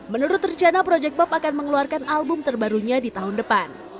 menurut rencana project pop akan mengeluarkan album terbarunya di tahun depan